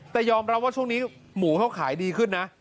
แต่ยอมรับว่าช่วงนี้หมูเขาขายดีขึ้นนะ